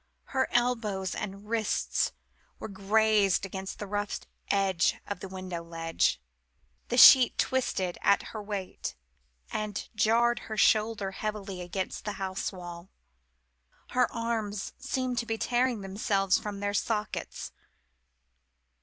Her elbows and wrists were grazed against the rough edge of the window ledge the sheet twisted at her weight, and jarred her shoulder heavily against the house wall. Her arms seemed to be tearing themselves from their sockets.